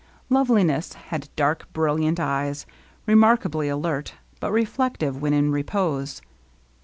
Loveliness had dark, brilliant eyes, remarkably alert, but reflective when in repose.